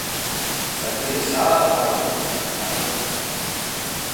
ساقي د شا له خوا د ونو له قطاره راووت.